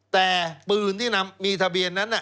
แต่ปืนที่มีทะเบียนนั้น